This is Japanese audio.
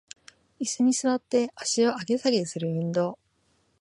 イスに座って足を上げ下げする運動